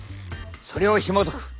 それをひもとく